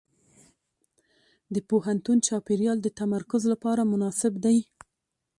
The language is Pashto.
د پوهنتون چاپېریال د تمرکز لپاره مناسب دی.